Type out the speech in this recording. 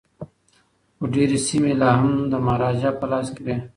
خو ډیري سیمي لا هم د مهاراجا په لاس کي وې.